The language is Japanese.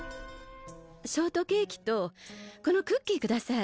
ショートケーキとこのクッキーください。